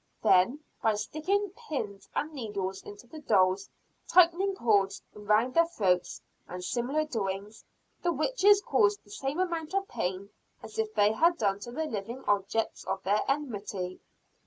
Then, by sticking pins and needles into the dolls, tightening cords around their throats, and similar doings, the witches caused the same amount of pain as if they had done it to the living objects of their enmity.